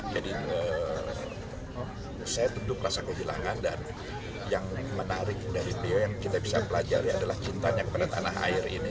jadi saya tentu rasa kehilangan dan yang menarik dari beliau yang kita bisa pelajari adalah cintanya kepada tanah air ini